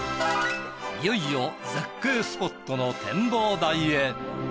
いよいよ絶景スポットの展望台へ。